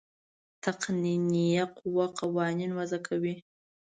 تقنینیه قوه قوانین وضع کوي.